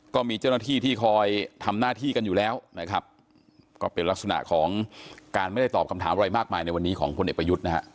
ก็มีเจ้าหน้าที่ที่คอยทำหน้าที่กันอยู่แล้วนะครับก็เป็นลักษณะของการไม่ได้ตอบคำถามอะไรมากมายในวันนี้ของพลเอกประยุทธ์นะฮะ